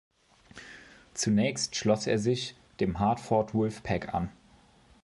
Zunächst schloss er sich dem Hartford Wolf Pack an.